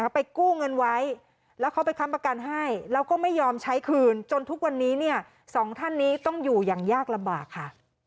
ไปกู้เงินไว้แล้วเขาไปค้ำประกันให้แล้วก็ไม่ยอมใช้คืนจนทุกวันนี้สองท่านนี้ต้องอยู่อย่างยากลำบากค่ะ